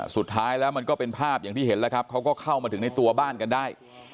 สุดท้ายแล้วมันก็เป็นภาพอย่างที่เห็นแล้วครับเขาก็เข้ามาถึงในตัวบ้านกันได้